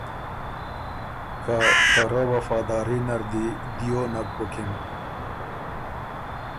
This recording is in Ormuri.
که ته رۀ وفاداري نر دی دیو نک بُکِن۔